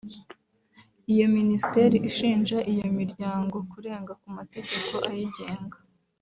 Iyo Minisiteri ishinja iyo miryango kurenga ku mategeko ayigenga